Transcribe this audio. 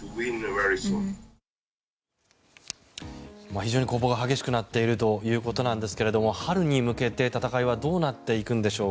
非常に攻防が激しくなっているということですが春に向けて戦いはどうなっていくんでしょうか。